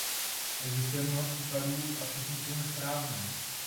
Existuje mnoho případů a všechny jsou nesprávné.